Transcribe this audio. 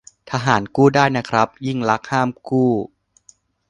ทหารกู้ได้นะครับ ยิ่งลักษณ์ห้ามกู้